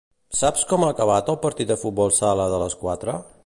Saps com ha acabat el partit de futbol sala de les quatre?